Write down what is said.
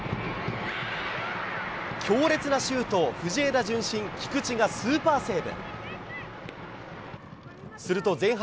強烈なシュートを、藤枝順心、菊地がスーパーセーブ。